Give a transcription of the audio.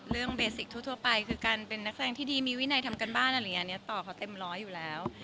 เบสิกทั่วไปคือการเป็นนักแสดงที่ดีมีวินัยทำการบ้านอะไรอย่างนี้ต่อเขาเต็มร้อยอยู่แล้ว